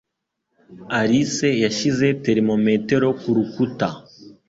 Alice yashyize termometero kurukuta.